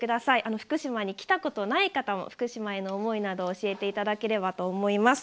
福島に来たことない方も福島への思いなどを教えていただければと思います。